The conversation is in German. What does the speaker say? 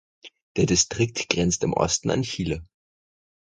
Der Distrikt grenzt im Osten an Chile.